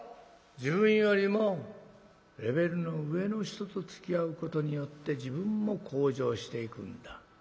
自分よりもレベルの上の人とつきあうことによって自分も向上していくんだ。